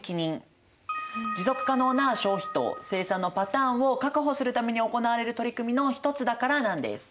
持続可能な消費と生産のパターンを確保するために行われる取り組みの一つだからなんです。